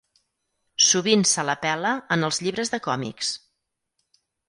Sovint se l'apel·la en els llibres de còmics.